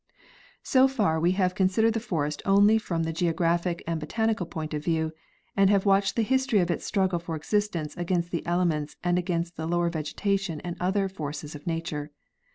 So far we have considered the forest only from the geographic and botanical point of view,.and have watched the history of its struggle for existence against the elements and against the lower vegetation and other forces of nature.